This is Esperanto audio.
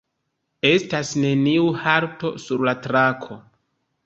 Estas neniu halto sur la trako.